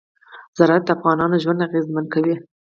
زراعت د افغانانو ژوند اغېزمن کوي.